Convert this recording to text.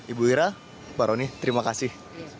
ibu ira pak roni terima kasih